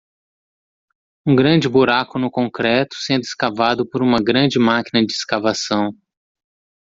Um grande buraco no concreto sendo escavado por uma grande máquina de escavação.